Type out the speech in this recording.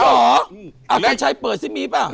อ๋อเหรออาจารย์ชัยเปิดซิมีป่าว